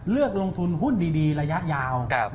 เลือกลงทุนหุ้นดีระยะยาว